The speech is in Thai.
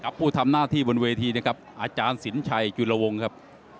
กับผู้ทำหน้าที่บนเวทีอาจารย์สินชัยจุฬวงฯครับ